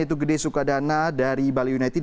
yaitu gede sukadana dari bali united